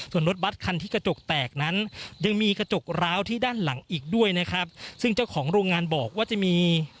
ส่วนรถบัตรคันที่กระจกแตกนั้นยังมีกระจกร้าวที่ด้านหลังอีกด้วยนะครับซึ่งเจ้าของโรงงานบอกว่าจะมี